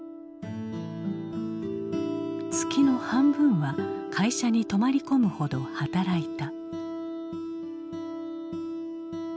月の半分は会社に泊まり込むほど働いた。